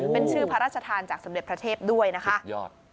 เป็นชื่อพระราชทานจากสมเด็จพระเทพด้วยนะคะสุดยอด